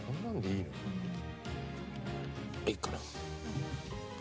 いっかな。